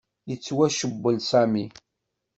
Yettwacewwel Sami.